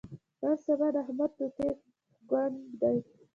نن سبا د احمد توتي ګونګ دی.